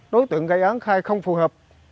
đối tượng gây án khai không phù hợp